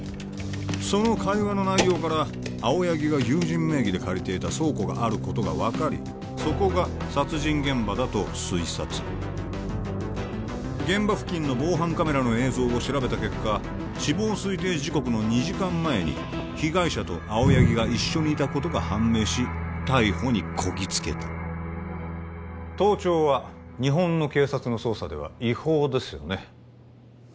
その会話の内容から青柳が友人名義で借りていた倉庫があることが分かりそこが殺人現場だと推察現場付近の防犯カメラの映像を調べた結果死亡推定時刻の２時間前に被害者と青柳が一緒にいたことが判明し逮捕にこぎつけた盗聴は日本の警察の捜査では違法ですよね